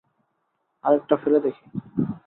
আরেকটা ফেলে দেখি?